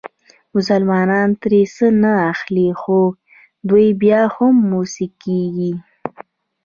مسلمانان ترې څه نه اخلي خو دوی بیا هم موسکېږي.